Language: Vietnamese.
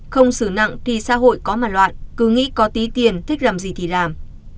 không xử nặng thì xã hội có mà loạn cứ nghĩ có tí tiền thích làm gì thì làm